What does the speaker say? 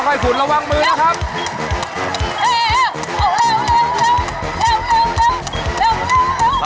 ก็ค่อยขุนระวังมือนะครับ